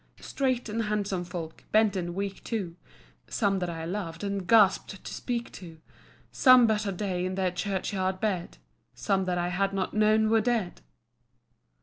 Straight and handsome folk; bent and weak, too; Some that I loved, and gasp'd to speak to; Some but a day in their churchyard bed; Some that I had not known were dead.